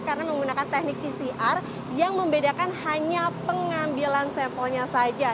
karena menggunakan teknik pcr yang membedakan hanya pengambilan sampelnya saja